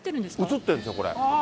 映ってるんですよ、これ。